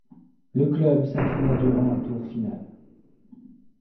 Le club s’inclina durant un tour final.